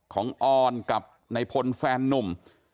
ของออนกับนายพลแฟนนุ่ม